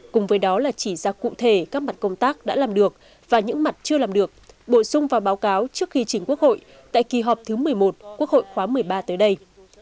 cùng với đó là chỉ ra cụ thể các mặt công tác đã làm được và những mặt chưa làm được bổ sung vào báo cáo trước khi chỉnh quốc hội tại kỳ họp thứ một mươi một quốc hội khóa một mươi ba tới đây